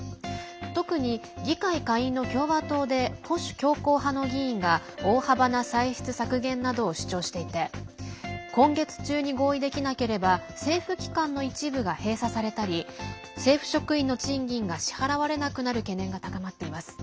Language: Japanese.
特に議会下院の共和党で保守強硬派の議員が大幅な歳出削減などを主張していて今月中に合意できなければ政府機関の一部が閉鎖されたり政府職員の賃金が支払われなくなる懸念が高まっています。